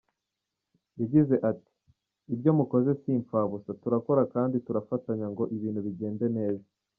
Yagize ati “Ibyo mukoze si imfabusa, turakora kandi turafatanya ngo ibintu bigende neza.